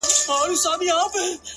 دې جوارۍ کي د بايللو کيسه ختمه نه ده”